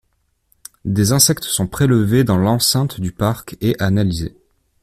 Des insectes sont prélevés dans l'enceinte du parc et analysés.